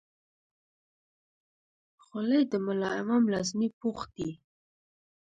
خولۍ د ملا امام لازمي پوښ دی.